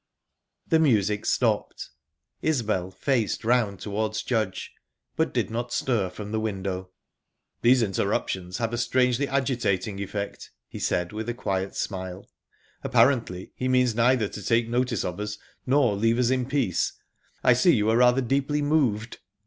The music stopped. Isbel faced round towards Judge, but did not stir from the window. "These interruptions have a strangely agitating effect," he said, with a quiet smile. "Apparently he means neither to take notice of us nor leave us in peace. I see you are rather deeply moved."